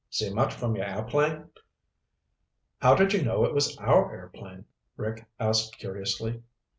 "See much from your airplane?" "How did you know it was our airplane?" Rick asked curiously.